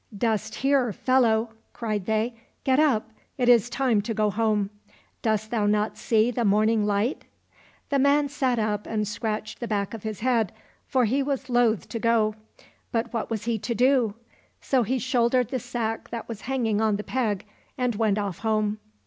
" Dost hear, fellow !" cried they ;" get up, it is time to go home. Dost thou not see the morning light ?" The man sat 32 THE STORY OF THE WIND up and scratched the back of his head, for he was loath to go. But what was he to do ? So he shouldered the sack that was hanging on the peg, and went off home.